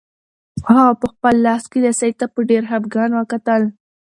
هغه په خپل لاس کې لسی ته په ډېر خپګان وکتل.